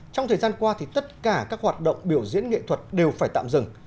trong thời gian qua thì tất cả các hoạt động biểu diễn nghệ thuật đều phải tạm dừng